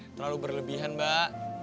terlalu berlebihan mbak